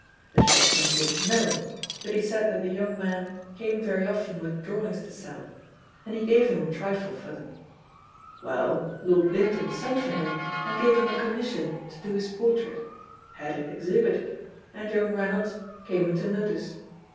The shopman didn't know; but he said that the young man came very often with drawings to sell, and he gave him a trifle for them. Well, Lord Linton sent for him, and gave him a commission to do his portrait, had it exhibited, and young Reynolds came into notice.